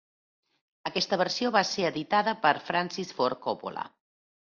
Aquesta versió va ser editada per Francis Ford Coppola.